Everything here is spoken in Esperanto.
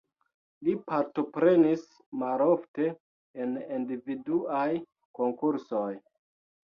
Li partoprenis malofte en individuaj konkursoj.